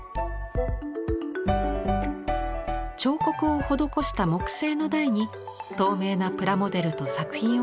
彫刻を施した木製の台に透明なプラモデルと作品を配置しました。